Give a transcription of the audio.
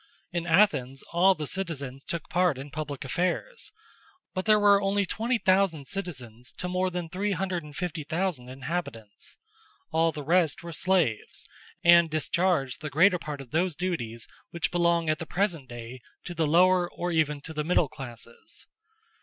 In Athens, all the citizens took part in public affairs; but there were only 20,000 citizens to more than 350,000 inhabitants. All the rest were slaves, and discharged the greater part of those duties which belong at the present day to the lower or even to the middle classes.